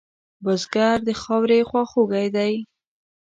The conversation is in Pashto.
بزګر د خاورې خواخوږی دی